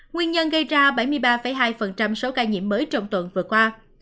nguyên nhân gây ra bảy mươi ba hai số ca nhiễm mới trong tuần vừa qua